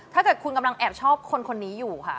ถ้าเกิดคุณกำลังแอบชอบคนนี้อยู่ค่ะ